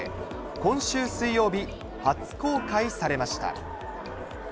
今週水曜日、初公開されました。